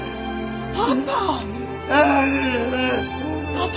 パパ！